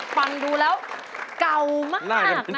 ฟังดูแล้วเก่ามากนะ